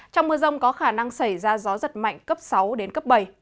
trong mưa rông có khả năng xảy ra gió giật mạnh cấp sáu bảy